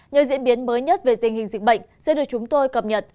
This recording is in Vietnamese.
những diễn biến mới nhất về tình hình dịch bệnh sẽ được chúng tôi cập nhật